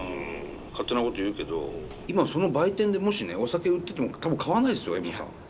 勝手なこと言うけど今その売店でもしねお酒売ってても多分買わないですよＭさん。